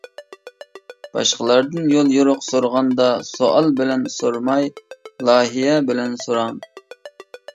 باشقىلاردىن يوليورۇق سورىغاندا سوئال بىلەن سورىماي لايىھە بىلەن سوراڭ.